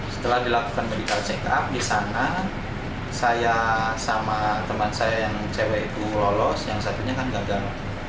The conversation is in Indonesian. setelah dilakukan medical check up di sana saya sama teman saya yang cewek itu lolos yang satunya kan gagal